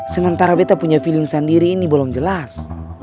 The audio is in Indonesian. sementara beta punya feeling sendiri ini belum jelas